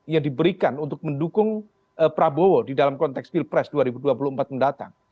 yang diberikan untuk mendukung prabowo di dalam konteks pilpres dua ribu dua puluh empat mendatang